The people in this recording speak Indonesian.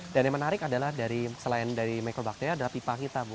dan yang menarik adalah selain dari mikrobakteria adalah pipa kita bu